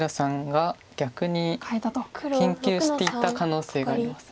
研究していた可能性があります。